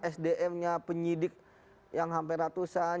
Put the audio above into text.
sdm nya penyidik yang hampir ratusan